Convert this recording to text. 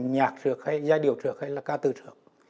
nhạc trược hay giai điệu trược hay là ca tự trược